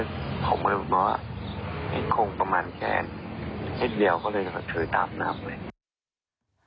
มันจะผมก็บอกว่าเห็นโค้งประมาณแปดตีเหลวก็เลยถอยตามนะครับ